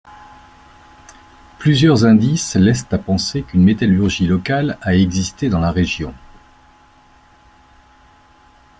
Plusieurs indices laissent à penser qu’une métallurgie locale a existé dans la région.